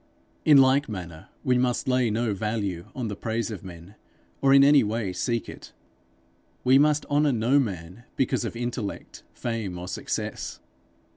In like manner we must lay no value on the praise of men, or in any way seek it. We must honour no man because of intellect, fame, or success.